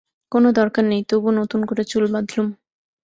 কোনো দরকার নেই, তবু নতুন করে চুল বাঁধলুম।